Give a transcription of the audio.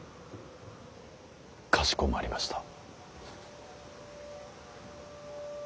かしこまりました。